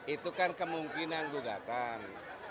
itu kan kemungkinan gugatan